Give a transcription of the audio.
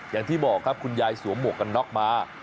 อย่างที่บอกครับคุณยายสวมหมวกกันน็อกมา